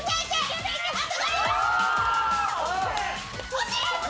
惜しい！